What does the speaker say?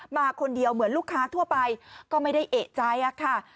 มาคนเดียวเหมือนลูกค้าทั่วไปก็ไม่ได้เอกใจค่ะ